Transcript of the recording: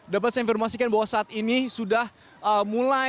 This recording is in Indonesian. dapat saya informasikan bahwa saat ini sudah mulai